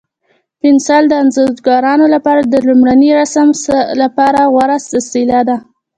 پنسل د انځورګرانو لپاره د لومړني رسم لپاره غوره وسیله ده.